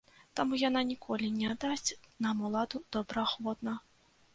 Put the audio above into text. Таму яна ніколі не аддасць нам уладу добраахвотна.